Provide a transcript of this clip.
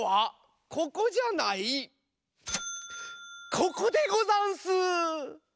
ここでござんす！